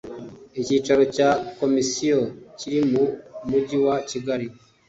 icyicaro cya komisiyo kiri mu mujyi wa kigali